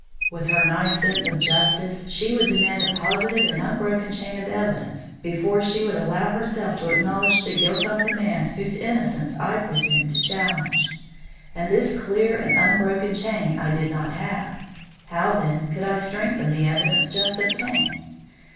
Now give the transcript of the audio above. With her nice sense of justice, she would demand a positive and unbroken chain of evidence before she would allow herself to acknowledge the guilt of the man whose innocence I presumed to challenge, and this clear and unbroken chain I did not have. How, then, could I strengthen the evidence just obtained?